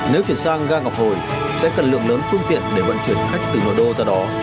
nếu chuyển sang ga ngọc hồi sẽ cần lượng lớn phương tiện để vận chuyển khách từ nội đô ra đó